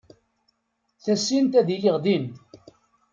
Tasint ad iliɣ din.